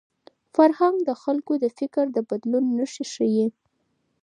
فرهنګ د خلکو د فکر د بدلون نښې ښيي.